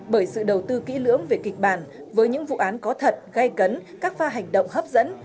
bởi sự đầu tư kỹ lưỡng về kịch bản với những vụ án có thật gây cấn các pha hành động hấp dẫn